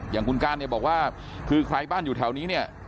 อย่างคุณการเนี่ยบอกว่าคือใครบ้านอยู่แถวนี้เนี่ย